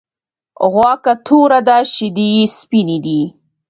غوا که توره ده شيدې یی سپيني دی .